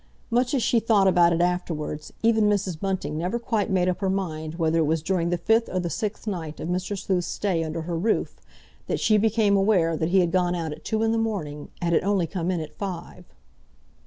Much as she thought about it afterwards, even Mrs. Bunting never quite made up her mind whether it was during the fifth or the sixth night of Mr. Sleuth's stay under her roof that she became aware that he had gone out at two in the morning and had only come in at five.